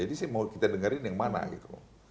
jadi saya mau kita dengerin yang mana gitu